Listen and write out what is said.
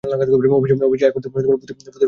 অবশ্যি এক অর্থে ভূতের ওঝা বলতেও পারেন।